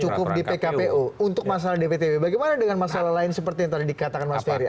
cukup di pkpu untuk masalah dptb bagaimana dengan masalah lain seperti yang tadi dikatakan mas ferry